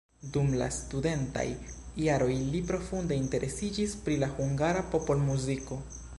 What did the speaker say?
Dum la studentaj jaroj li profunde interesiĝis pri la hungara popolmuziko.